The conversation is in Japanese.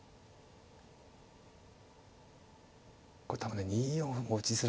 これ多分ね２四歩も打ちづらい多分。